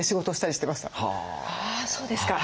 あそうですか。